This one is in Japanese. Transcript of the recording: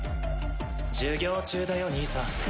授業中だよ兄さん。